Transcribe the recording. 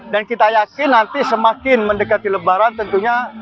dan kita yakin nanti semakin mendekati lebaran tentunya